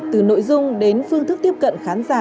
từ nội dung đến phương thức tiếp cận khán giả